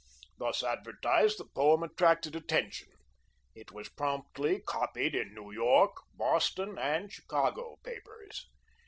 Thus advertised, the poem attracted attention. It was promptly copied in New York, Boston, and Chicago papers.